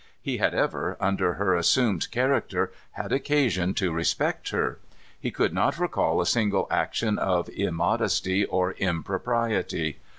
He had ever, under her assumed character, had occasion to respect her. He could not recall a single action of immodesty or impropriety.